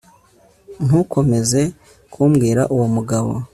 ntukomeze kumbwira uwo mugabo